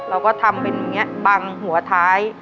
เราก็ทำเป็นอย่างนี้บังหัวท้าย